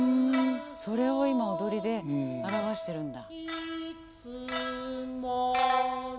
それを今踊りで表してるんだ。